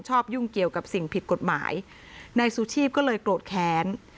ยุ่งเกี่ยวกับสิ่งผิดกฎหมายนายซูชีพก็เลยโกรธแค้น